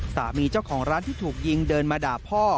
สามีเจ้าของร้านที่ถูกยิงเดินมาด่าพ่อ